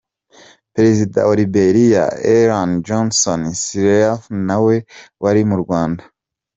Perezida wa Liberia, Ellen Johnson Sirleaf na we ari mu Rwanda.